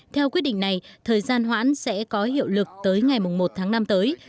theo quyết định này thời gian hoãn sẽ có hiệu lực tới ngày một tháng năm tới